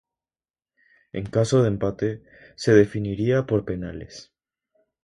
En caso de empate se definiría por penales.